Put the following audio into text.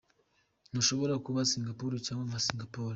Ntushobora kuba Singapore, cyangwa nka Singapore.